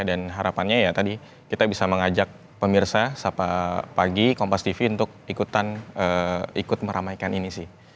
harapannya ya tadi kita bisa mengajak pemirsa pagi kompas tv untuk ikutan ikut meramaikan ini sih